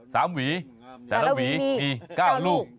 สามหรือแต่ละหรือมี๙ลูก